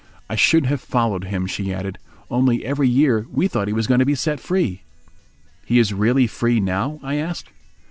"I should have followed him," she added, "only every year we thought he was going to be set free." "He is really free now?" I asked.